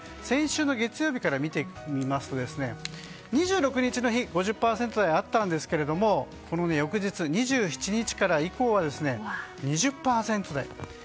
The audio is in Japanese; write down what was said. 先週の月曜日から見てみますと２６日の日、５０％台があったんですけどこの翌日２７日以降は２０％台。